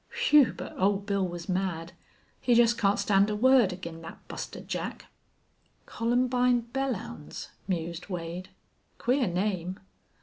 Whew, but Old Bill was mad. He jest can't stand a word ag'in' thet Buster Jack." "Columbine Belllounds," mused Wade. "Queer name."